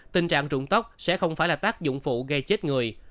tình trạng rụng tóc sẽ không phải là tác dụng phụ gây chết người